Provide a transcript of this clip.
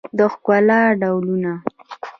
د ښکلا ډولونه